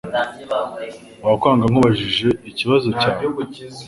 Wakwanga nkubajije ikibazo cyawe?